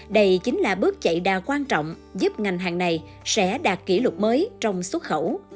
đây chính là bước chạy đa quan trọng giúp ngành hàng này sẽ đạt kỷ lục mới trong xuất khẩu